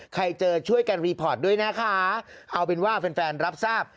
ใครเจอช่วยกันรีพอร์ตด้วยนะคะเอาเป็นว่าแฟนแฟนรับทราบ